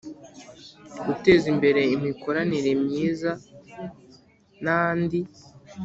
Guteza imbere imikoranire myizan andi